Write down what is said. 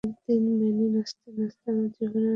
কিন্তু হঠাৎ একদিন, ম্যানি নাচতে নাচতে আমার জীবনে আসলো।